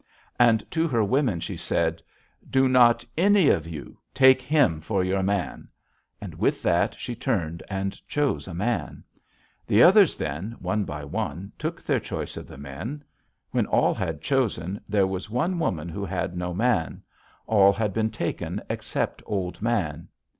"And to her women she said: 'Do not, any of you, take him for your man.' And with that she turned and chose a man. The others then, one by one, took their choice of the men. When all had chosen, there was one woman who had no man; all had been taken except Old Man.